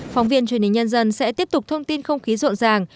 phóng viên truyền hình nhân dân sẽ tiếp tục thông tin không khí rộn ràng